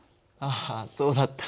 あそうだった。